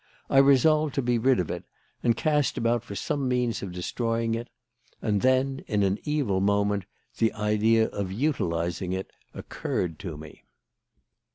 I resolved to be rid of it and cast about for some means of destroying it. And then, in an evil moment, the idea of utilising it occurred to me.